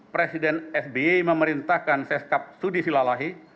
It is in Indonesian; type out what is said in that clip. presiden sby memerintahkan seskap sudi silalahi